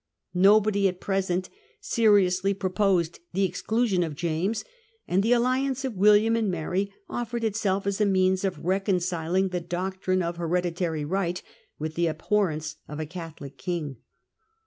'Nobody at present seriously pro posed the exclusion of James, and the alliance of William and Mary offered itself as a means of reconciling the doctrine of hereditary right with the abhorrence of a Catholic King.